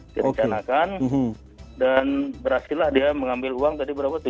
direncanakan dan berhasil lah dia mengambil uang tadi berapa